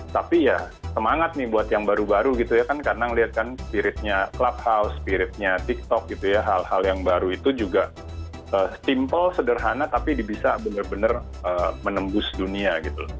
tapi ya semangat nih buat yang baru baru gitu ya kan karena ngeliat kan spiritnya clubhouse spiritnya tiktok gitu ya hal hal yang baru itu juga simple sederhana tapi bisa benar benar menembus dunia gitu loh